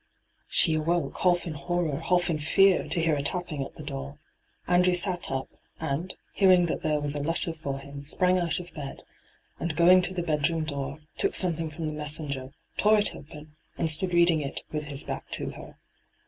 Sh6 awoke, half in horror, half in fear, to hear a tapping at the door. Andrew sat up, and, hearing that there was a letter for him, sprang out of bed, and, going to the bedroom door, took something from the messenger, tore it open, and stood reading it with his back to her.